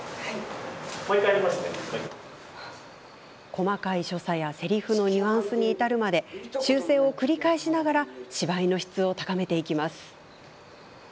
細かい所作やせりふのニュアンスに至るまで修正を繰り返しながら芝居の質を高めていきます。